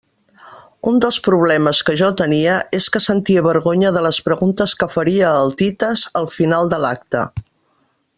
Un dels problemes que jo tenia és que sentia vergonya de les preguntes que faria el Tites al final de l'acte.